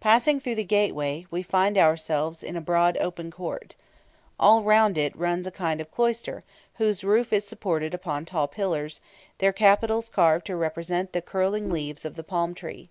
Passing through the gateway, we find ourselves in a broad open court. All round it runs a kind of cloister, whose roof is supported upon tall pillars, their capitals carved to represent the curving leaves of the palm tree.